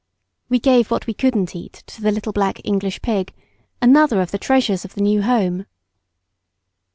We gave what we couldn't eat to the little black English pig, another of the treasures of the new home.